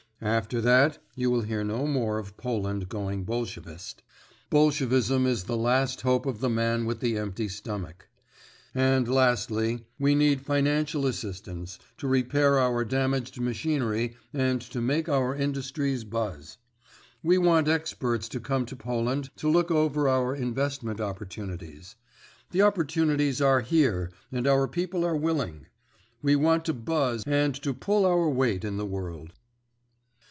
After that you will hear no more of Poland going Bolshevist. Bolshevism is the last hope of the man with the empty stomach. And lastly, we need financial assistance to repair our damaged machinery and to make our industries buzz. We want experts to come to Poland to look over our investment opportunities. The opportunities are here and our people are willing. We want to buzz and to pull our weight in the world."